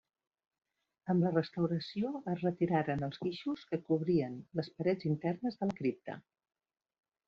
Amb la restauració es retiraren els guixos que cobrien les parets internes de la cripta.